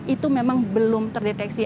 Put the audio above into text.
itu memang belum terdeteksi